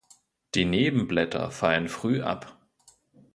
Die Nebenblätter fallen früh ab.